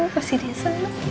kasih dia senang